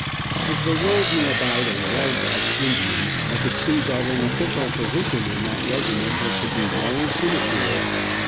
As they rolled me about and yelled like Indians, I could see that an official position in that regiment was to be no sinecure.